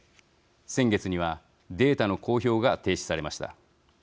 先月にはデータの公表が停止されました。